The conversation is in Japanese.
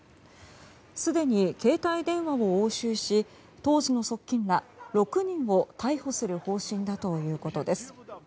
すでに携帯電話を押収し当時の側近ら６人を逮捕する方針だということです。